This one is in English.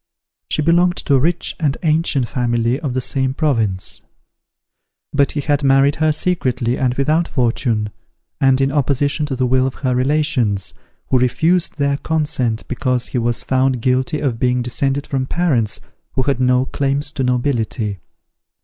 She belonged to a rich and ancient family of the same province: but he had married her secretly and without fortune, and in opposition to the will of her relations, who refused their consent because he was found guilty of being descended from parents who had no claims to nobility.